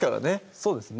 そうですね